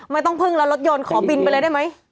ไม่ต้องพึ่งแล้วรถยนต์ขอบินไปเลยได้ไหม